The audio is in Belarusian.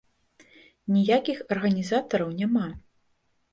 І ніякіх арганізатараў няма.